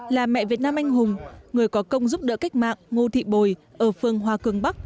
là mẹ việt nam anh hùng người có công giúp đỡ cách mạng ngô thị bồi ở phương hòa cường bắc